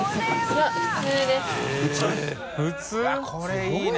わっこれいいね。